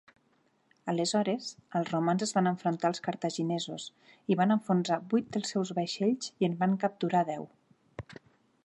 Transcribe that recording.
Aleshores, els romans es van enfrontar als cartaginesos, i van enfonsar vuit dels seus vaixells i en van capturar deu